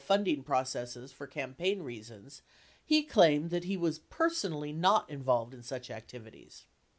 67 18 Hearings 8837* 406 funding processes for campaign reasons, he claimed that he was person ally not involved in such activities.